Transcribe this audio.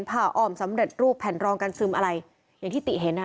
ผ่าอ้อมสำเร็จรูปแผ่นรองกันซึมอะไรอย่างที่ติเห็นอ่ะ